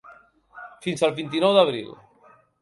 Fins al vint-i-nou d’abril.